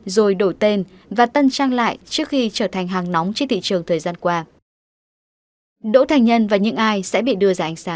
rồi đổi tên và tân trang lại trước khi trở thành hàng nóng trên thị trường thời gian qua